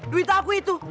duit aku itu